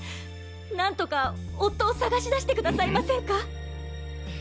何とか夫を捜し出して下さいませんか？